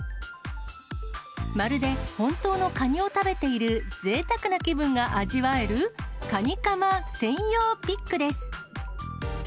まるで本当のカニを食べているぜいたくな気分が味わえる、カニカマ専用ピックです。